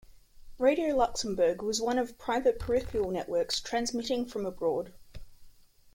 Radio Luxembourg was one of private "peripheral" networks transmitting from abroad.